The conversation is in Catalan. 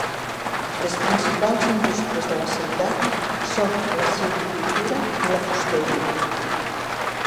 Les principals indústries de la ciutat són la silvicultura i la fusteria.